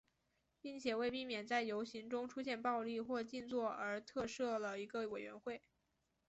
并且为避免在游行中出现暴力或静坐而特设了一个委员会。